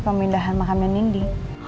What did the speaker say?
kemor seminahan makam nian indi